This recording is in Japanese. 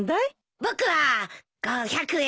僕は５００円。